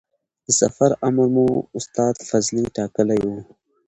د سفر امر مو استاد فضلي ټاکلی و.